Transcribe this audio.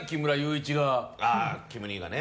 キム兄がね。